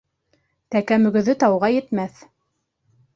Тәкә мөгөҙө тауға етмәҫ